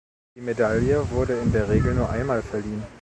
Die Medaille wurde in der Regel nur einmal verliehen.